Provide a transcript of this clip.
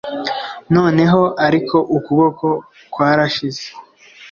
Noneho Ariko ukuboko kwarashize